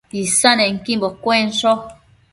Isannequimbo cuensho